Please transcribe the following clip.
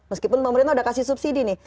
meskipun pemerintah sudah kasih subsidi nih